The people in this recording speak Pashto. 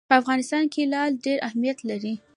په افغانستان کې لعل ډېر اهمیت لري.